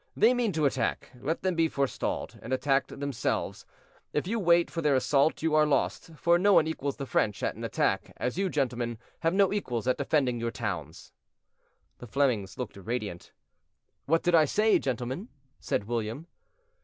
They mean to attack; let them be forestalled, and attacked themselves. If you wait for their assault you are lost, for no one equals the French at an attack, as you, gentlemen, have no equals at defending your towns." The Flemings looked radiant. "What did I say, gentlemen?" said William.